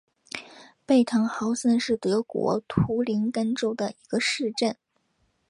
贝滕豪森是德国图林根州的一个市镇。